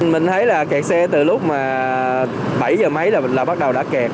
mình thấy là kẹt xe từ lúc bảy giờ mấy là bắt đầu đã kẹt